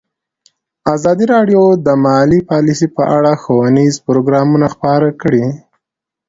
ازادي راډیو د مالي پالیسي په اړه ښوونیز پروګرامونه خپاره کړي.